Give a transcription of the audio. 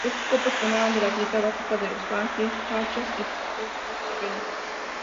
Estos copos formaban la dieta básica de los "highlanders": gachas y tortas de avena.